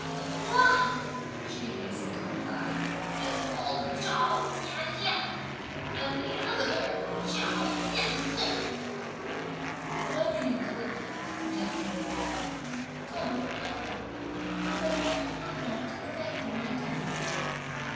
"The one," she hastened to reply, "is called Chao T'ien liang and the other Chao T'ien tung." "Whatever you do," suggested lady Feng, "don't forget them; but now I'm off to look after my duties."